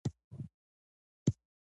ايا شاعران د ټولنې د بدلون وړتیا لري؟